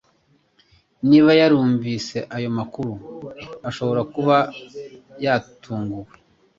Niba yarumvise ayo makuru, ashobora kuba yatunguwe